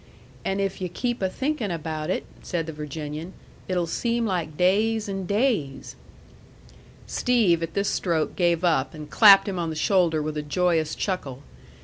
"And if yu' keep a thinkin' about it," said the Virginian, "it'll seem like days and days." Steve, at this stroke, gave up, and clapped him on the shoulder with a joyous chuckle.